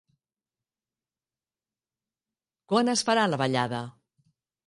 Quan es farà la ballada?